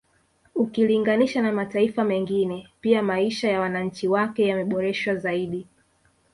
Ukilinganisha na mataifa mengine pia maisha ya wananchi wake yameboreshwa zaidi